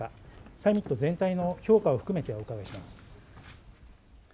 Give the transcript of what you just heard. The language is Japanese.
サミット全体の評価を含めてお伺いします。